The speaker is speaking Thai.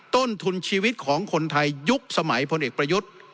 ต้นทุนชีวิตของคนไทยยุคสมัยพลเอกประยุทธ์